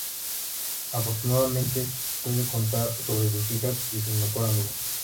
Afortunadamente, puede contar sobre sus hijas y su mejor amiga.